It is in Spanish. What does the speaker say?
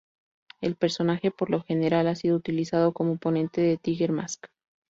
El personaje, por lo general, ha sido utilizado como oponente de Tiger Mask.